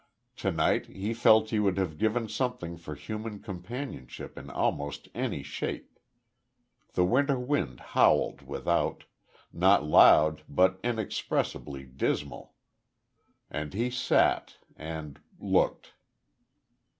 To night he felt he would have given something for human companionship in almost any shape. The winter wind howled without, not loud but inexpressibly dismal. And he sat, and looked.